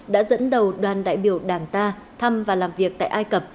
đã dẫn đầu đoàn đại biểu đảng ta thăm và làm việc tại ai cập